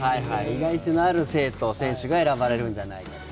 意外性のある生徒、選手が選ばれるんじゃないかと。